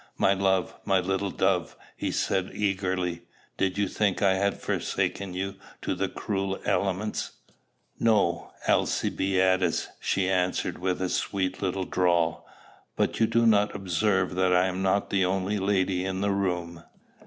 "My love! my little dove!" he said eagerly: "did you think I had forsaken you to the cruel elements?" "No, Alcibiades," she answered, with a sweet little drawl; "but you do not observe that I am not the only lady in the room."